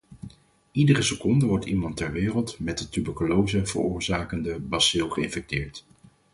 Iedere seconde wordt iemand ter wereld met de tuberculose veroorzakende bacil geïnfecteerd.